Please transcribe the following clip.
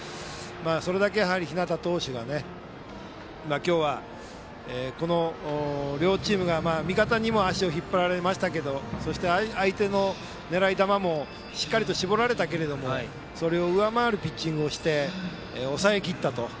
それだけ日當投手が今日はこの両チームが味方にも足を引っ張られましたけどそして、相手の狙い球もしっかりと絞られたけどもそれを上回るピッチングをして抑えきったと。